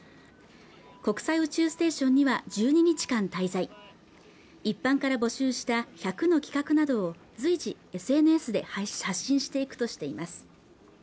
国際宇宙ステーションには１２日間滞在一般から募集した１００の企画などを随時ＳＮＳで発信していくとしています